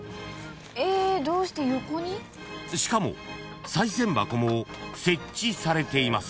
［しかもさい銭箱も設置されています］